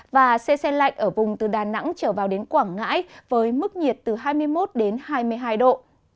và xe xe lạnh ở vùng từ đà nẵng trở vào đến quảng ngãi với mức nhiệt từ hai mươi một đến hai mươi hai độ